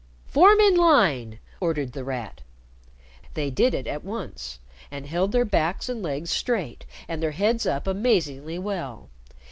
"Form in line!" ordered The Rat. They did it at once, and held their backs and legs straight and their heads up amazingly well.